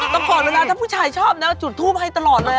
ตลอดเวลาถ้าผู้ชายชอบนะจุดทูปให้ตลอดเลย